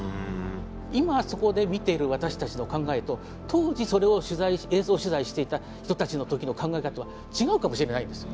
今そこで見てる私たちの考えと当時それを映像取材していた人たちの時の考え方は違うかもしれないんです。